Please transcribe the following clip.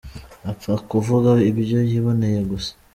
Apfa kuvuga ibyo yiboneye gusa ?